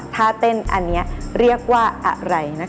ถ้าเต้นอันนี้เรียกว่าอะไรนะคะ